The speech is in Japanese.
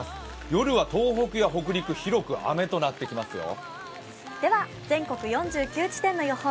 夜は東北や北陸、広く雨となってきますよ。